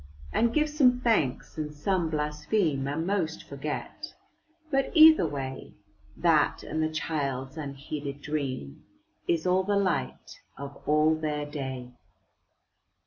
And give some thanks, and some blaspheme, And most forget, but, either way, That and the child's unheeded dream Is all the light of all their day.